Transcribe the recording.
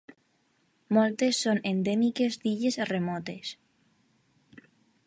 Moltes són endèmiques d'illes remotes.